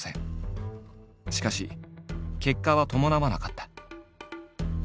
しかし結果は伴わなかった。